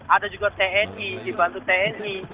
ada juga tni dibantu tni